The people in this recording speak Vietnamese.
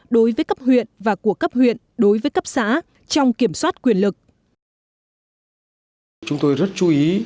đối với cấp huyện và của cấp huyện đối với cấp xã trong kiểm soát quyền lực